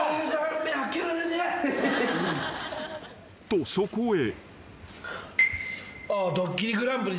［とそこへ］